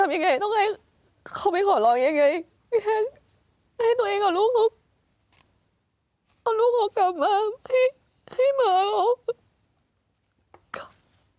อยากให้ตัวเองเอาลูกของกลับมาให้เหมือนเรา